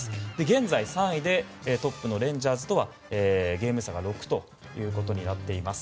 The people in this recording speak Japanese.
現在、３位でトップのレンジャーズとはゲーム差６となっています。